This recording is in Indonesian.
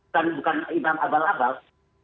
kan bukan imam abal abal